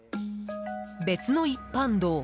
別の一般道。